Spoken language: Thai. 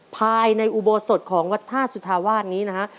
ภายในอุโบสถของวัดท่าสุธาวาสนี้นะฮะ